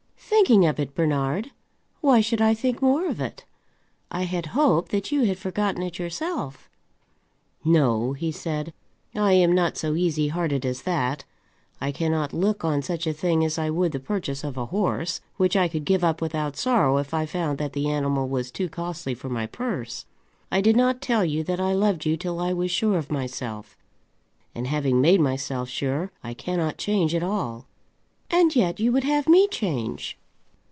"Thinking of it, Bernard? Why should I think more of it? I had hoped that you had forgotten it yourself." "No," he said; "I am not so easy hearted as that. I cannot look on such a thing as I would the purchase of a horse, which I could give up without sorrow if I found that the animal was too costly for my purse. I did not tell you that I loved you till I was sure of myself, and having made myself sure I cannot change at all." "And yet you would have me change."